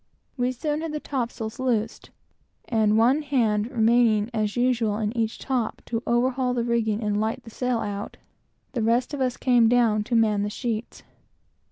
We soon had the topsails loosed; and one hand remaining, as usual, in each top, to overhaul the rigging and light the sail out, the rest of us laid down to man the sheets.